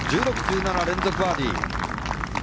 １６、１７、連続バーディー。